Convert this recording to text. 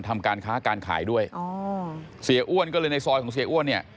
ทำการค้าการขายด้วยอ๋อเสียอ้วนก็เลยในซอยของเสียอ้วนเนี่ย